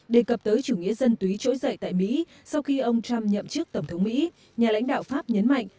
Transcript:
đề cập tới chủ nghĩa dân túy trỗi dậy tại mỹ sau khi ông trump nhậm chức tổng thống mỹ nhà lãnh đạo pháp nhấn mạnh